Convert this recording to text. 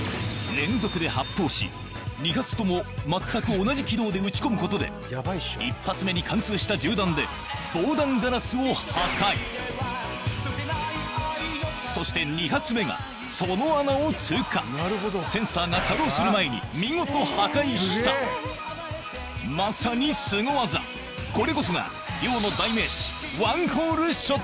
連続で発砲し二発とも全く同じ軌道で撃ち込むことで一発目に貫通した銃弾で防弾ガラスを破壊そして二発目がそのセンサーが作動する前に見事破壊したまさにスゴ技これこそがの代名詞